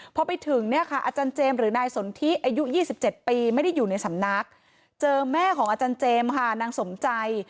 พอไปถึงเนี่ยค่ะอาจารย์เจมส์หรือนายสนทิอายุ๒๗ปีไม่ได้อยู่ในสำนักเจอแม่ของอาจารย์เจมส์ค่ะนางสมใจ